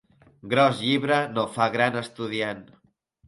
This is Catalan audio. Gros llibre no fa gran estudiant.